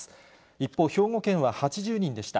一方、兵庫県は８０人でした。